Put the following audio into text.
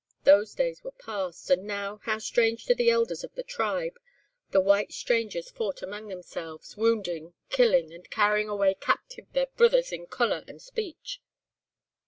"Those days were past; and now, how strange to the elders of the tribe, the white strangers fought amang themselves, wounding, killing, and carrying away captive their brithers in colour and speech.